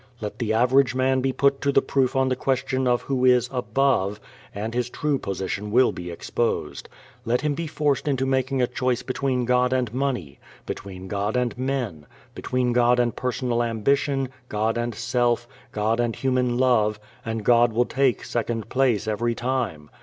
Let the average man be put to the proof on the question of who is above, and his true position will be exposed. Let him be forced into making a choice between God and money, between God and men, between God and personal ambition, God and self, God and human love, and God will take second place every time.